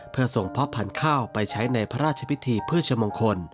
เพื่อส่งเพาะพันธุ์ข้าวไปใช้ในพระราชพิธีพืชมงคล